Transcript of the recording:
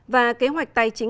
và kế hoạch tài chính